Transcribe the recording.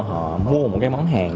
họ mua một cái món hàng